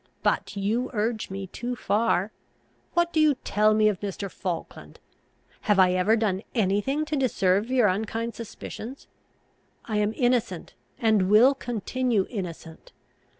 But you urge me too far. What do you tell me of Mr. Falkland? Have I ever done any thing to deserve your unkind suspicions? I am innocent, and will continue innocent.